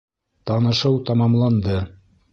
Танышыу тамамланды.